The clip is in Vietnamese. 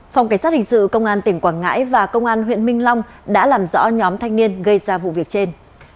phòng cảnh sát hình sự công an tỉnh quảng ngãi và công an huyện minh long đã làm rõ nhóm thanh niên gây ra vụ việc trên